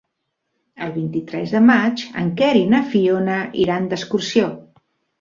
El vint-i-tres de maig en Quer i na Fiona iran d'excursió.